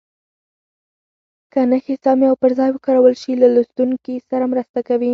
که نښې سمې او پر ځای وکارول شي له لوستونکي سره مرسته کوي.